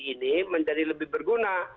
ini menjadi lebih berguna